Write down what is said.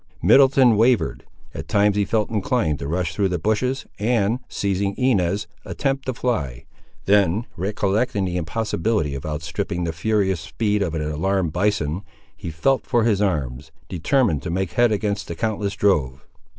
Middleton wavered. At times he felt inclined to rush through the bushes, and, seizing Inez, attempt to fly. Then recollecting the impossibility of outstripping the furious speed of an alarmed bison, he felt for his arms, determined to make head against the countless drove.